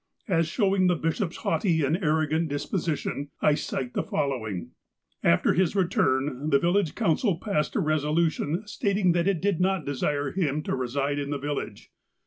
As showing the bishop's haughty and arrogant disposi tion, I cite the following : After his return, the village council passed a resolution stating that it did not desire him to reside in the village.